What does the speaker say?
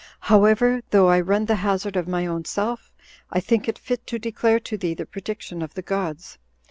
However, though I run the hazard of my own self, I think it fit to declare to thee the prediction of the gods.